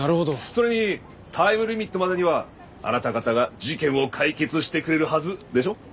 それにタイムリミットまでにはあなた方が事件を解決してくれるはずでしょ？